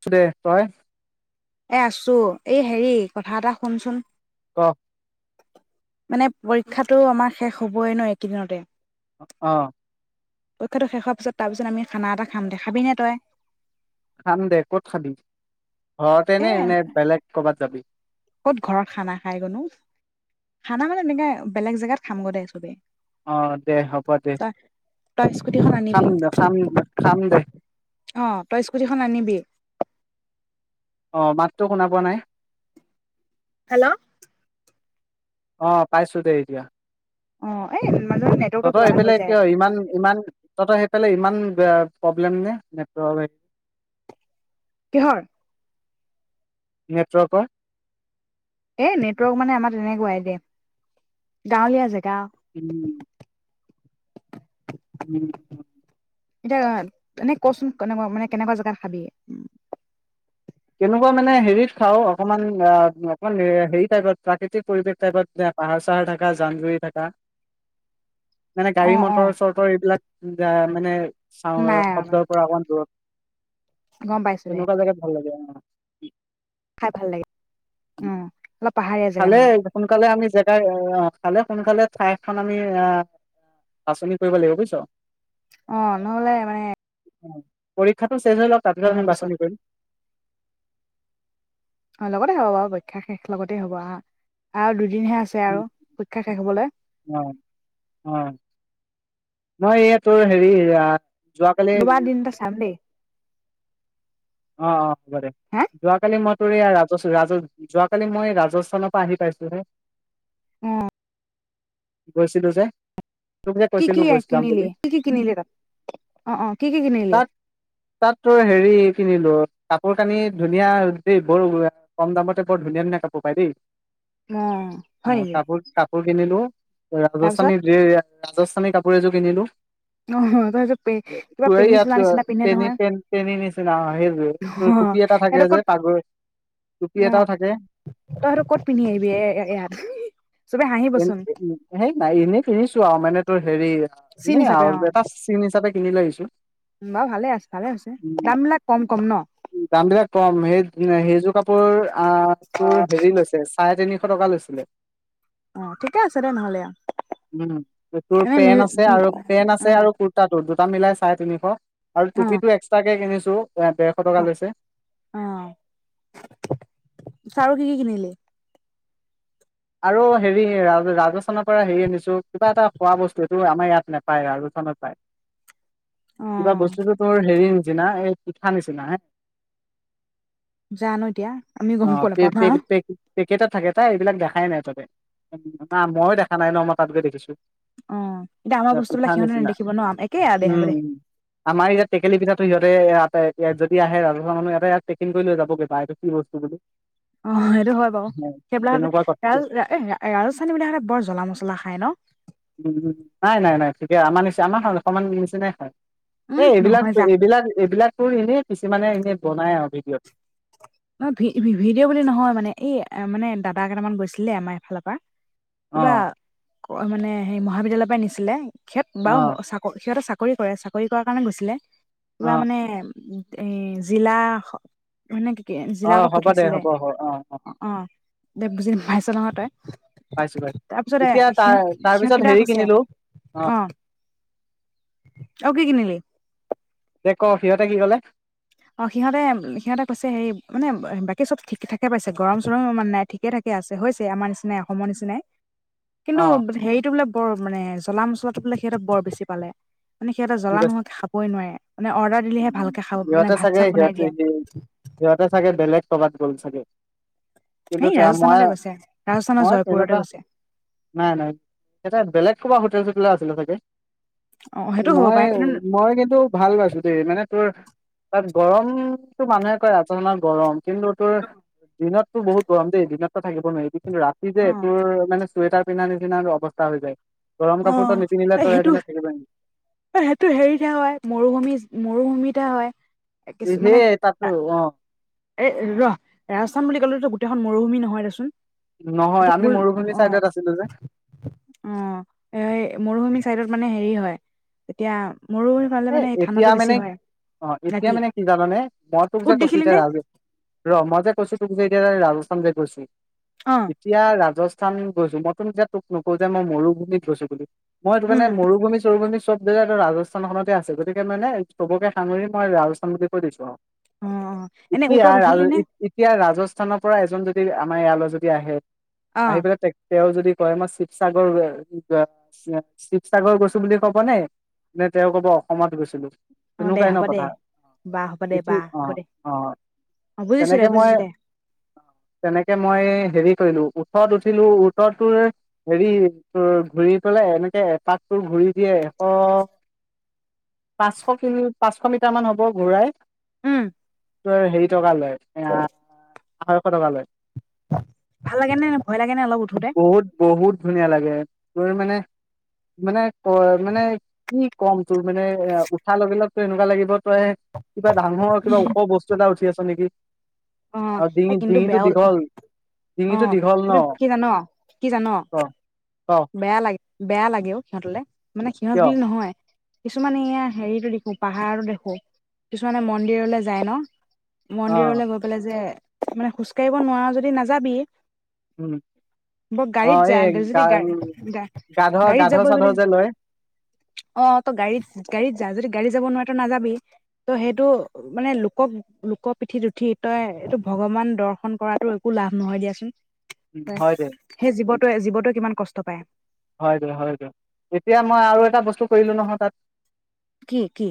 ছ দে তই এ আছো এই হেৰি কথা এটা শুনচোন ক মানে পৰীক্ষাটো আমাৰ শেষ হবই ন একেইদিনতে অ পৰীক্ষাটো শেষ হোৱাৰ পিছত তাৰপিছত আমি খানা এটা খাম দেখাবিনেে তই খান্ দে ক'ত খাবি। এ ঘৰতেনে এনে বেলেগ ক'ৰবাত যাবি। কত ঘৰৰত খানা খাই গনো খানা মানে এনেকে বেলেগ জেগাত খাম গ দেেই চবেই অ দে হ'ব দে তই তই স্কুটিখন খাম আনিবি খাম খাম দে অ তই স্কুটিখন আনিবি অ মাতটো শুনা পোৱা নাই হেল্ল' অ পাইছোতে এতিয়া। অ এই মাজে মাজে নেটৱৰ্কটো তহতই কিবা এটা হৈ সেইফালাই যায় কিয় ইমান ইমান তহতই সেইফালাই ইমান এইটোবে প্ৰব্লেম নে প্ কিহৰ নেটৱাকৰ। এ নেটৱৰ্ক মানে আমাৰ তেনেকুৱাই দে গাঁৱলীয়া জেগা উম এতিয়া এনে কচোন কেনেকুৱা মানে কেনেকুৱা জোগাত খাবি উ কেনেকুৱা মানে হেৰিত খাওঁ অকনমান আহ অকমান হেৰি টাইপত প্ৰাকৃতিক পৰিৱেশ টাইপত যে পাহাৰ চাহাৰ থকা জান জুৰি থকা মানে অ গাড়ী অ মটৰ চটৰ এইবিলাক মানে চাওঁ নাই শব্দৰ পৰা অকমান দূৰত গম পাইছো দে তেনেকুৱা জেগাত ভাল লাগে অ খাই ভাল লাগে। অ অলপ পাহাৰীয়া জেগাত খালে মানে সোনকালে আমি জেগাই আহ খালে সোনকালে ঠাইখন আমি আহ বাচনি কৰিব লাগিব বুজিছ অ নহ'লে মানে পৰীক্ষা তে হৈ লওক তাততেৈ আম নহয় পিছত বাছনি কৰিম অ লগতে হব বাৰু শেষ লগতে হব আহ আৰু দু দিনহে আছে আৰু পা শেষ হবল উ উম মই এইয় তোৰ হেৰি। যোৱাকালি দুবাৰ দ ত চামে অ অ ব যোৱাাকাল ম ৰাজ ৰাজ যোৱাকালি মই ৰাজস্থানৰ পৰা আহি পাইছো হে উম গৈছিলো যে তোক যে কি কি কৈছিলো গৈ যাম বুলি কিনিলি কি কি কিনিলে তাত অ অ কি কি কিনিলে কিলো কাপোৰ কানি ধুনীয়া দেই বৰ কম দামতে বৰ ধুনীয়া ধুনীয়া কাপোৰ পায় দেই অ হয় অ নেকি কাপোৰ কাপোৰ কিনিলো তই তাৰপিছত ৰাজস্থানী যি ইয়া ৰাজস্থানী কাপোৰ এযোৰ কিনিলো অ তাৰপিছত তোৰ কিবা এই পেনী ইয়াত চোলা নিচিনা পিন্ধে পেনী নহয় পেন পেনী নিচিনা সেই তোৰ অ টুপি এটা থাকে সেইটো যে ক'ত পাগৈ টুপি অ এটাও থাকে তই সেইটো ক'ত পিন্ধি আহিবি এ ইয়াত চবে হাঁহিবচোন সেই নাই এনেই পিন্ধিছো আৰু মানে তই হেৰি চিন এ হিচাপে আৰু অ এটা চিন হিচাপে কিনি লৈ আহিছো বাৰু ভালে আছে ভালে হৈছে উ দাম বিলাক কম কম ন দাম বিলাক কম সেই সেইযোৰ কাপোৰ অ তোৰ হেৰি লৈছে চাৰে তিনি শ টকা লৈছিলে অ ঠিকে আছে দে নহ'লে উম এইটোোৰ আৰু পেন আছে এনে আৰু পেন অ আছে আৰু কুুৰ্তটো দুটা মিলাই চাই তিনিশ আৰু অ টুপি টো এক্সট্ৰাকে কিনিছো তো ডেৰশ টকা অ লৈছে অ লৈ আৰু হেৰি ৰাজস্থানৰ পৰা হেৰি আনিছো কিবা এটা খোৱা বস্তু এইটো আমাৰ ইয়াত নোপায় ৰাজস্থানত পায় অ কিবা বস্তুতটো তোৰ হেৰি ন যিনা এই পিঠা নিচিনা হে য নো এতিয়া আমি গম প নাপাওঁ হা পেকেট থাকো এইবিলাক দো দোই নাই তাতে না মইো দেখা নাই ন মই তাত গৈ দেখিছো অ এতিয়া আমাৰ বস্তুবিলাক পিঠা সিহঁতে নিচিনা নেদেখিব ন একেই আৰু দেহ ব দে ত সিহঁতে ইতে যদি আহে ৰাজহুৱা মানুহ ইয়াতে ই পেকিং কৰি লৈ যাবগৈ বা এইটো কি বস্তু বুলি অ সেইটো হয় বাৰু সেইবিলাক তেনেকুৱা কথা ৰাজ ৰাজস্থানী বুলি কলে বৰ জ্বলা মছলা খায় ন উম উম নাই নাই নাই ঠিকে জামা নিচি আমাৰ হয় অকমান নিচিনাই হয় এ উম এইবিলাক নহয় যা এইবিলাক এইবিলাক তোৰ এনেই কিছুমানে এনেই বনাই আৰু ভিডিঅ'টো অ ভ ভিডঅ' বুলি নহয় মানে এই মানে দাদা কেইটামান গৈছিলে আমাৰ এইফালৰ পৰা কিবা অঁ মানে হেৰি মহাবিদ্যালয়ৰ পৰা নিছিলে সহত বা অঁ চাক সিহঁতে চাকৰি কৰে চাকৰি কৰাৰ কাৰণে গৈছিলে কিবা অঁ মানে এ জিলা মা নে কি? অঁ জিলাৰক হ'ব দে পঠিছিলে হ'ব অঁ অঁ অ অ দে বুজি ভাইছ নত পাইছো পাইছো তাৰপিছতে এতিয়া তাৰ সিহঁত তাৰপিছত সিহঁতকেইটা হেৰি কৈছে কিনিলো অঁ অ আৰু কি কিনিলি যে ক সিহঁতে কি কলে অ সিহঁতে সিহঁতে কৈছে হেৰি মানে বাকী চব ঠিক থাকে পাইছে গৰম চৰম মানে নাই ঠিকে থাকে আছে হৈছে আমাৰ নিচিনাই অসমৰ নিচিনাই কিন্তু অঁ সেইটো বোলে বৰ মানে জ্বলা মছলাটো বোলে সিহঁত বৰ বেছি পালে মানে সিহঁতে কি জলা কৈছে নহোৱ খাবইোৱাৰে মান অৰ্ডাৰ দিলহে ভালকে খাব মানে ভ সিহ সিহতে চাগে বেলেগ কব চল থাকে। কিন্তু এই মই ৰাজস্থানতে গৈছে ৰাজস্থানৰ মই জয়পুৰতে তেনেকুৱা গৈছে নাই নাই এতে বেলেগ কবা হোটেল চোটেল খ আছিলে চাগে অ সেইটো হ'ব মই পাৰে কিন্তু মই কিন্তু ভাল পাইছো মানে তোৰ তাত গৰমতটো মানুহে কয় আচানত গৰম কিন্তু তোৰ দিনতো বহুত গৰম দেই দিনতো থাকিব নোৱাৰি কিন্তু ৰাতি যে অ এইটোৰ মানে চুৱেটাৰ পিন্ধা নিচিানো অৱস্থা হৈ যায় গৰম অ কাপোৰটো নতি নিলে তয় এ সেইটো পিনত খেলিব নেকি সেইটো হেৰিতহে হয় মৰুভূমি মৰুভূমিহে হয় কিছু মানে সেই তাতো অ এ ৰ ৰাজস্থান বুলি ক'লেতো তেখন মৰুভূমিহয় দেচোন নহয় এইটো আমি ভুল অ মৰুভূমি অ চাইডত আছিলো যে এই মৰুভূমি চত মানে হেৰি হয় এতিয়া এ এতিয়া মানে অ এতিয়া ৰাতি মানে কি জানানে মই তোক যে উট কৈছো দেখিলি এতিয়া নে ৰাজ ৰ মই যে কৈছো য ৰাজস্থান য গৈছ অ এতিয়া ৰাজ ৰাজস্থান গৈছো মইতো যেতিয়া তোক নকো যে মই মৰুভূমিত গৈছো বুলি মই তটো মান উম মৰুভূম চৰুভূমিতে। চব জেগাতে ৰাজস। ৰাজস্থানন খতে আছে গতিকে মানে চবকে সাঙৰি মইস্থান বুলি কৈ দিছো আৰু অ অ এনে এতিয়া উটত উঠিলি নে এতিয়া ৰাজস্থানৰ পৰা এজন যদি আমাৰ ইয়ালৈ যদি আহে অ আহিবা তে তেওঁ যদি কয় মই শিৱসাগৰ শিৱসাগৰ গৈছো বুলি ক'ব নে নে তেওঁ ক'ব অসমত গৈছিলো অ দে তেনেকুৱাই হ'ব দে কথা বা হ'ব দে বা অ হ'ব দে অ অ বুজিছো দে তেনেকে মই বুজিছো দে তেনেকে মই হেৰি লো ওঠৰত উঠিলো ওঠৰ তৰ হেৰি ঘূৰি পেললে এনেকে এপাকটো ঘূৰি দিয়ে এশ পাঁচশ ক পাঁচশ মিটাৰ মান হ'ব ঘূৰাই উম ত হেৰি যোগালে এয়া আঢৈশ টকা লৈ ভাল লাগে নে ভয় লাগে নে অলপ উঠোতে বহুত বহুত ধুনীয়া লাগে তোৰ মানে মানে ক মানে কি কম তোৰ মানে এ উঠা লগিলাক তোৰ এনেকুৱা লাগিব তই কিবা ডাঙৰ কিবা ওখ বস্তু এটা উঠি আছে নেকি অ আৰু এই ডিঙি কিন্তু ডিঙিটো বেয়াওল দীঘল অ ডিঙিটো দীঘল ন কিন্তু কি জান কি জান ক ক বেয়া লাগে বেয়া লাগেও সিহঁতলে। মানে সিহঁত কিয় বুলি নহয় কিছুমানে এয়া হেৰিতটো দেখো পাহাৰো দেখো কিছুমানে মন্দিৰলৈ যায় ন অ মন্দিৰলৈ গৈ পেলাই যে মানে খোজকাঢ়িব নোৱাৰো যদি নাযাবি। উম ব অ গাড়ীত যা এই গ যদি গাড়ী গাড়ীত যাব যদি অ ত গাড়ীত গাড়ীত যা যদি গাড়ী যাব নোৱাৰটো নাযাবি ত' সেইটো মানে লোকক লোক পিঠিত উঠি তই এইটো ভগৱান দৰ্শন কৰাতটো একো লাভ নহয় দিয়াচোন উম, হয় দে সেই উম, জীৱটোৱে জীৱটো কিমান কষ্ট পায় হয় য হয় য এতিয়া মই আৰু এটা বস্তু কৰিলো নহয় তাত কি কি?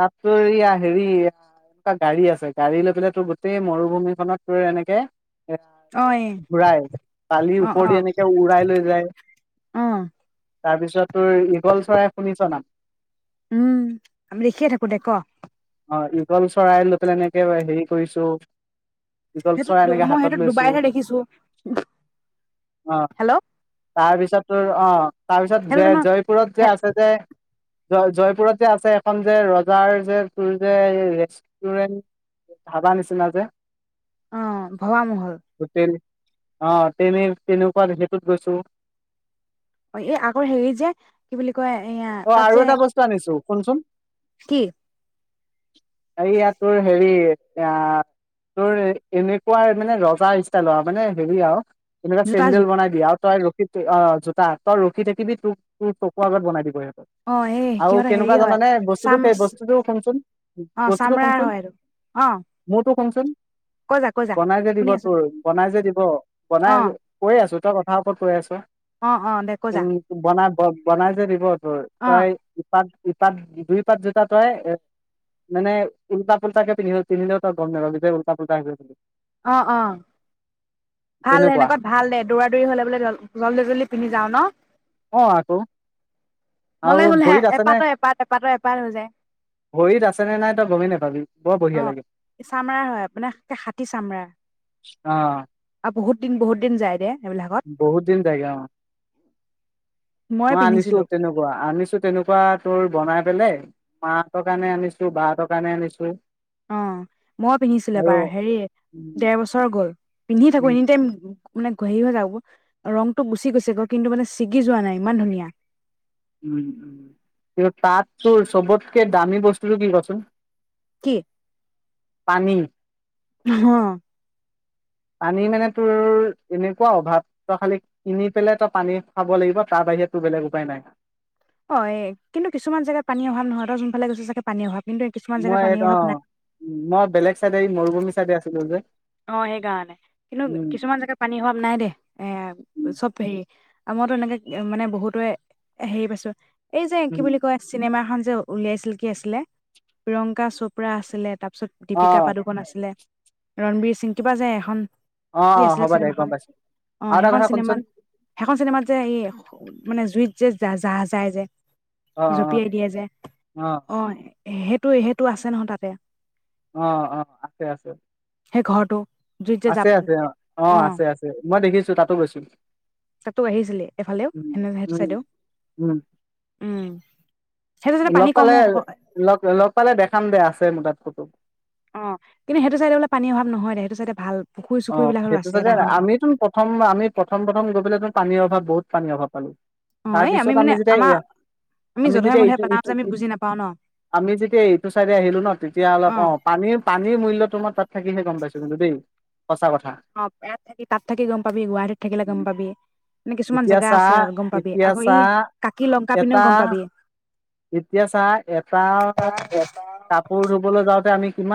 তাত তোৰয়া হেৰি এনেকুৱা গাড়ী আছে গাড়ী লৈ পেলাই তোৰ গোতেেই মৰুভূমি খত তোৰ এনেকে এ অ' এ ঘূৰাই পালিৰ ওপৰেদি এনেকে উৰাই লৈ যায়। আহ তাৰপিছত তোৰ ইঈঘল চৰাই শুনিছ নাম উম আমি দেখিয়ে থাকো দে ক অ ইগল চৰাই প্লেল এনেকে হেৰি কৰিছো। ঈগল চৰাই সেইটো এনেকে মই হাতত সেইটো লৈছো ডুবাইহে দেখিছো হেল্ল' তাৰপিছত তোৰ অ তাৰপিছত সেইটো যে জানো জয়পুৰত যে আছে যে জ জয়পুৰত যে আছে এখন যে ৰজাৰ যে তোৰ যে ৰেষ্টুৰেন্ট ধাবা নিচিনা যে অ ভোৱামহল। হোটেল অ তেনে তেনেকুৱা সেইটোত গৈছো অ এই আগৰ হেৰি যে কি বুলি কয় এয়া অ তাত আৰু যে এটা বস্তু আনিছো কোনচোন কি এয়া তোৰ হেৰি এ তোৰ এনেকুৱা মানে ৰজাৰ ষ্টাইলৰ মানে হেৰি আৰু এনে এটা জোতাযোৰ চেন্দেল বনাই দিয়ে আৰু তই ৰখি অ জোতা তই ৰখি থাকিবি তোক তোৰ তকুৰ আগত বনাই দিবই অ এই আৰু সিহঁতৰ হেৰি কেনেকুৱা হয় জানানে বস্তুটো চাম স বস্তুটো শুনচোন অ বস্তুটো চামৰাৰ শুনচোন হয় এইটো অ মোৰতো সোনচোন কৈ যা কৈ যা বনাই যে দিব শুনি আছো দে তোৰ বনাই যে দিব বনাই অ কৈ আছো তই কথা কাহ ওপৰত কৈ আছো। অ অ দে কৈ জা অ বনাই যে দিব ত তই ইপাক। ই পাত দুই পাত জোতা তই এ মানে উল্টা পুলতাকে পিন্ধি পিন্ধিলেও তই গম নাপ যে উল্টা পুল্টা হৈ অ অ ভাল দে তেনেকুৱা সেনেকুৱা ভাল দে দৌৰা দৌৰি হলে বোলে জল্দি জল্দি পিন্ধি যাওঁ ন আহ আকৌ নহলে আৰু বোলে ভৰিত আছে ন এপাতৰ এপাত এপাতৰ এপাত হৈ যায় ভৰিত আছেনে নাই তই গমেই নোপাবি বৰ অ বঢ়িয়া লাগে চামৰাৰ হয় মানে খাটি চামৰাৰ আহ আৰু বহুত দিন বহুত দিন যায় দে সবিলাকত বহুত দিন যায়গে অ মই আনিছো তেনেকুৱা আনিছো তেনেকুৱা তোৰ বনাই বেলেগ মাহঁতৰ কাৰণে আনিছো বাহহতৰ কাৰণে আনিছো অ মই পিন্ধিছিলো আৰু এবাৰ হেৰি উম ডৰ বছৰ গ'ল পিন্ধি থাকো উম এনি টাইম মানে ঘঁহি হৈ যাব ৰংটো গুচি গৈছে গ কিন্তু মানে ছিগি যোৱা নাই ইমান ধুনীয়া উম উ কি তাত তোৰ চবতকে দামী বস্তুটো কি কচোন কি পানী হ পানী মানে তোৰ এনেকুৱা অভাৱ তই খালি কিনি পেলাই তই পানী খাব লাগিব তাৰ বাহিৰে তোৰ বেলেগ উপায় নাই অয়, কিন্তু কিছুমান জেগাত পানী অভাৱ নহয় ত যোনফালে গৈছ ছাগে পানী অভাৱ কিন্তু কিছুমান জেগাত মই ত পানীৰ অ অভাৱ নাই মই বেলেগ চাইডে মৰুভূমি চাইডে আছিলো যে অ সেইকাৰণে, কিন্তু উম, কিছুমান জেগা পানী অভাৱ নাই দে এ উম, চব হেৰি মইতো এনেকে মানে বহুতয়ে হেৰি পাইছো এই যে কি উম, বুলি কয় চিনেমা খন উলিয়াইছিল কি আছিলে, প্ৰিয়ংকা চোপ্ৰা আছিলে তাত যে তাৰপিছত দীপিকা অ', পাদুকণ আছিলে ৰণবীৰ সিং কিবা যে এখন কি অ', আছিলে হ'ব দে গম চিনেমাখন? পাইছোঁ। অ আৰু এটা সেইখন কথা শুনচোন চিনেমাত সেইখন চিনেমাত যে এই মানে জুইত যে যা [unintelligible] যাহা যাই যে অ', অ', জপিয়াই দিয়ে যে, অ সেইটোয়ে সেইটো আছে নহয় তাতে অ অ আছে আছে সেই ঘৰটো জুইত যে আছে জাপ আছে অ অ আছে আছে মই দেখিছো তাতো গৈছো, তাতো আহিছিলে এইফালেও উ সেনে সেইটো উম চাইদেও উম উম সেইটো চাইডে পানী লগ কম পালে অ লগ লগ পালে দেখাম দে আছে মোৰ তাতটো অ কিন্তু সেইটো চাইডে বোলে পানী অভাৱ নহয় দে সেইটো চাইডে ভাল পুখুৰী অ চুখুৰী বিলাকো সেইটো আছে চাগে ডাঙৰ ডাঙৰ আমি তোন প্ৰথম আমি প্ৰথম প্ৰথম গৈ পেলাই তোন পানীৰ অভাৱ বহুত পানী অভাৱ পালো অ এই তাৰপিছত মানে আমি আমাৰ যেতিয়া আমি যধে যেতিয়া মধে ইটো পেলাও ইটো যে আমি বুজি নাপাও ন আমি যেতিয়া ইটো চাইডে আহিলো ন তেতিয়া অলপ অ পানীৰ পানীৰ মূল্য তোমাৰ তাত থাকিহে গম পাইছো কিন্তু দেই সঁচা কথা অ ইয়াত থাকি তাত থাকি গম পাবি, গুৱাহাটীত থাকিলে গম পাবি, এনে কিছুমান এতিয়া জেগা আছে চাহ আৰু গম পাবি, এতিয়া আকৌ ই চাহ কাকি লংকা এটা পিনেও গম পাবি এতিয়া চাহ এটা কাপোৰ ধুবলৈ যাওঁতে আমি কিমান